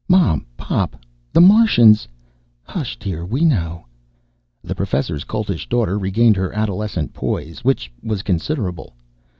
"Mom, Pop, the Martian's " "Hush, dear. We know." The Professor's Coltish Daughter regained her adolescent poise, which was considerable.